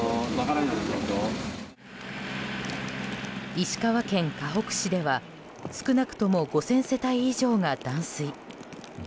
石川県かほく市では少なくとも５０００世帯以上が断水。